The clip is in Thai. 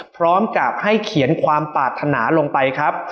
พร้อมกับให้เขียนความปรารถนาลงไปครับ